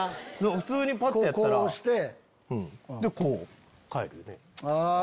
普通にぱってやったらこう帰るよね。